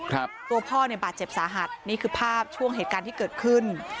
ตัวพ่อเนี่ยบาดเจ็บสาหัสนี่คือภาพช่วงเหตุการณ์ที่เกิดขึ้น